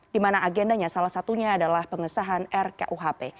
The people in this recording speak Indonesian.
dimana agendanya salah satunya adalah pengesahan rkuhp